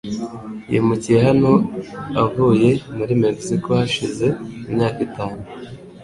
Yimukiye hano avuye muri Mexico hashize imyaka itanu.